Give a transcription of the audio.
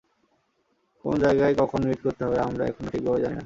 কোন জায়গায় কখন মিট করতে হবে আমরা এখনো ঠিকভাবে জানি না।